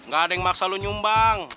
gak ada yang maksa lu nyumbang